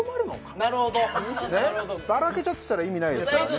なるほどだらけちゃってたら意味ないですからね